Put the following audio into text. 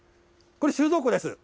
これ、収蔵庫です。